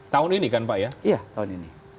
tahun ini kan pak ya iya tahun ini